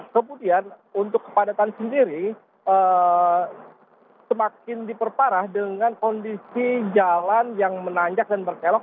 kemudian untuk kepadatan sendiri semakin diperparah dengan kondisi jalan yang menanjak dan berkelok